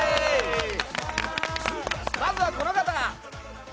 まずはこの方！